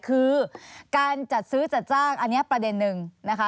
คือการจัดซื้อจัดจ้างอันนี้ประเด็นหนึ่งนะคะ